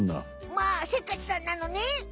まあせっかちさんなのね。